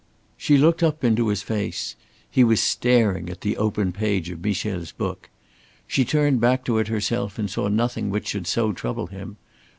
She looked up into his face. He was staring at the open page of Michel's book. She turned back to it herself and saw nothing which should so trouble him.